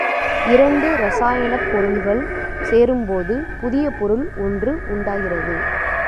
இரண்டு ரசாயனப் பொருள்கள் சேரும்போது புதிய பொருள் ஒன்று உண்டாகிறது.